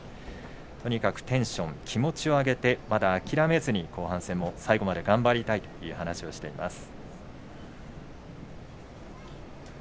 とにかくテンション、気持ちを上げて、まだ諦めずに後半戦も最後まで頑張りたいという話をしています。